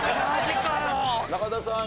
中田さん